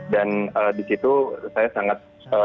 dan di situ saya sangat